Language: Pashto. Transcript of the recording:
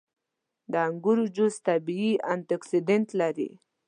• د انګورو جوس طبیعي انټياکسیدنټ لري.